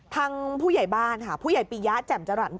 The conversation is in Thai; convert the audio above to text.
ทางผู้ใหญ่บ้านค่ะผู้ใหญ่ปียะแจ่มจรรย์